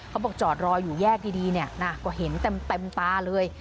เขาบอกจอดรออยู่แยกดีเนี่ยนะก็เห็นเต็มตาเลย